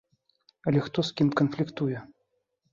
Але хто з кім канфліктуе?